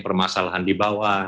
permasalahan di bawah